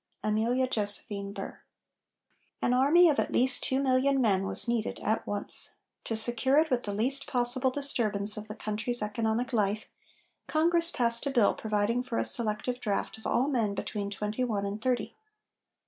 AMELIA JOSEPHINE BURR. An army of at least 2,000,000 men was needed at once; to secure it with the least possible disturbance of the country's economic life, Congress passed a bill providing for a selective draft of all men between twenty one and thirty.